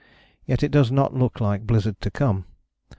Yet it does not look like blizzard to come.